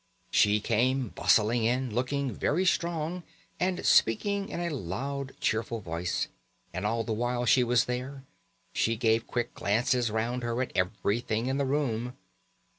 She came bustling in, looking very strong, and speaking in a loud cheerful voice, and all the while she was there she gave quick glances round her at everything in the room.